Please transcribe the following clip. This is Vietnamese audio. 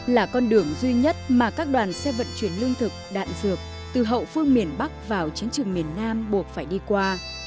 là con đường duy nhất mà các đoàn xe vận chuyển lương thực đạn dược từ hậu phương miền bắc vào chiến trường miền nam buộc phải đi qua